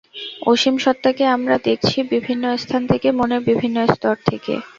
অসীম সত্তাকে আমরা দেখছি বিভিন্ন স্থান থেকে, মনের বিভিন্ন স্তর থেকে।